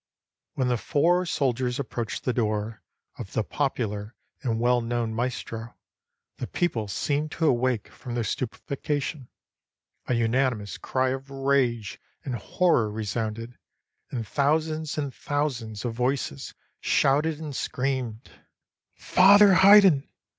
When the four soldiers approached the door of the popular and well known maestro, the people seemed to awake from their stupefaction, a unanimous cry of rage and horror resounded, and thousands and thousands of voices shouted and screamed, Father Haydn!